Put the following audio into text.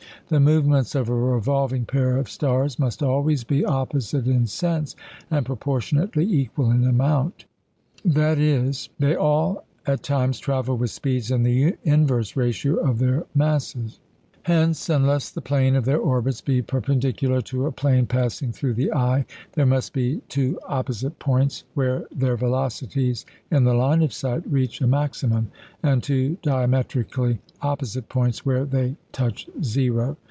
The movements of a revolving pair of stars must always be opposite in sense, and proportionately equal in amount. That is, they at all times travel with speeds in the inverse ratio of their masses. Hence, unless the plane of their orbits be perpendicular to a plane passing through the eye, there must be two opposite points where their velocities in the line of sight reach a maximum, and two diametrically opposite points where they touch zero.